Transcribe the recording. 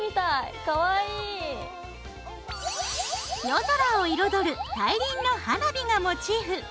夜空を彩る大輪の花火がモチーフ。